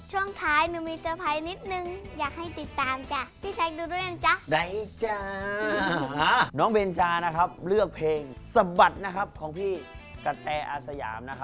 ช่วงท้ายหนูมีสะพายนิดนึงอยากให้ติดตามจ้ะ